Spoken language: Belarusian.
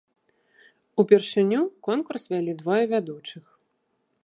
Упершыню конкурс вялі двое вядучых.